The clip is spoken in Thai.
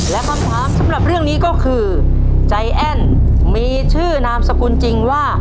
และคำถามสำหรับเรื่องนี้ก็คือใจแอ้นมีชื่อนามสกุลจริงว่า